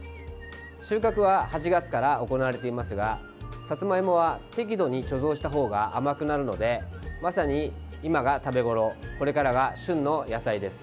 収穫は８月から行われていますがさつまいもは適度に貯蔵した方が甘くなるのでまさに今が食べごろこれからが旬の野菜です。